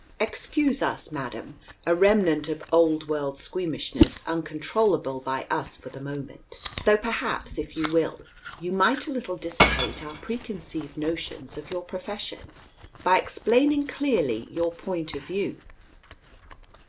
"Excuse us, Madam. A remnant of old world squeamishness, uncontrollable by us for the moment. Though perhaps, if you will, you might a little dissipate our preconceived motions of your profession, by explain ing clearly your point of view."